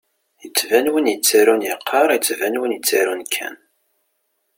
Ittban win yettarun iqqar, ittban win ittarun kan.